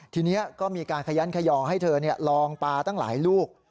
ทีนี้ก็มีการขยันขยอให้เธอลองปลาตั้งหลายลูก